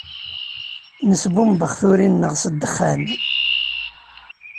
Nesbumbex turin-nneɣ s ddexxan.